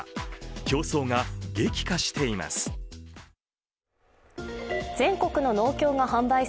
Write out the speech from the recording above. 競争が激化しています。